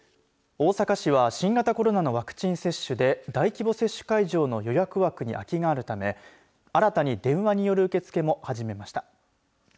大阪市は新型コロナのワクチン接種で大規模接種会場の予約枠に空きがあるため新たに電話による受け付けも始めました。